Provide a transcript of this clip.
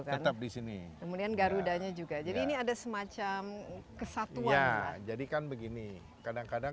kan tetap disini kemudian garuda nya juga jadi ini ada semacam kesatuan jadikan begini kadang kadang